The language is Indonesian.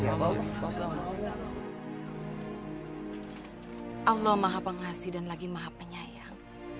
terima kasih dan lagi maaf penyayang